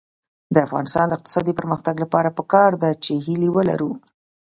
د افغانستان د اقتصادي پرمختګ لپاره پکار ده چې هیلې ولرو.